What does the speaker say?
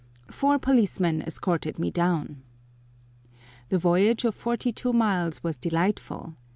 Four policemen escorted me down. The voyage of forty two miles was delightful.